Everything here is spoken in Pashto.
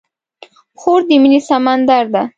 خور د مینې سمندر ده.